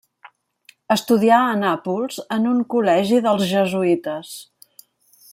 Estudià a Nàpols en un col·legi dels jesuïtes.